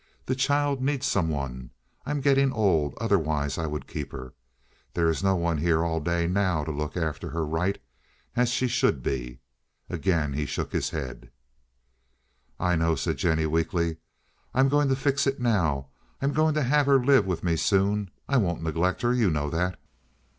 The child needs some one. I'm getting old—otherwise I would keep her. There is no one here all day now to look after her right, as she should be." Again he shook his head. "I know," said Jennie weakly. "I'm going to fix it now. I'm going to have her live with me soon. I won't neglect her—you know that."